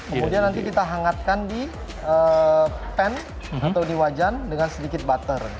kemudian nanti kita hangatkan di pan atau di wajan dengan sedikit butter